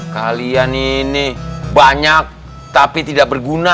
kalian ini banyak tapi tidak berguna